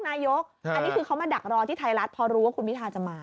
อันนี้คือเขามาดักรอที่ไทยรัฐพอรู้ว่าคุณพิทาจะมา